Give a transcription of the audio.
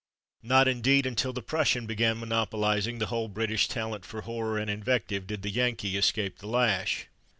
Not, indeed, until the Prussian began monopolizing the whole British talent for horror and invective did the Yankee escape the lash.